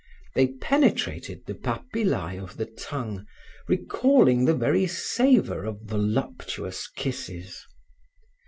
They penetrated the papillae of the tongue, recalling the very savor of voluptuous kisses.